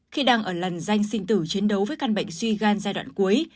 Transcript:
khi đang ở lần danh sinh tử chiến đấu với căn bệnh suy gan giai đoạn cuối